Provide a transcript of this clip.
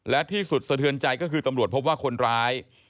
และที่สุดสะเทือนใจก็คือตำรวจพบว่าคนร้าย